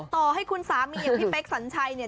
ต่อให้คุณสามีอย่างพี่เป๊กสัญชัยเนี่ย